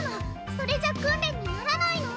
それじゃ訓練にならないの！